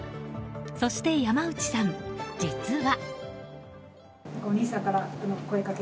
そして山内さん、実は。